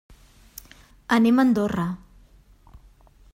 Anem a Andorra.